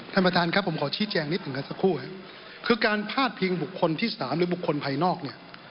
ท่านประธานครับผมขอชี้แจงนิดหนึ่งกันสักครู่คือการพาดพิงบุคคลที่สามหรือบุคคลภายนอกเนี่ย